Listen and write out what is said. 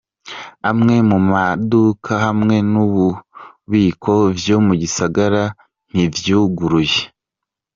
Amwe mu maduka hamwe n'ububiko vyo mu gisagara ntivyuguruye.